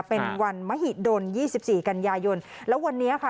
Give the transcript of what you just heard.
เป็นวันมหิดล๒๔กันยายนแล้ววันนี้ค่ะ